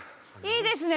いいですね。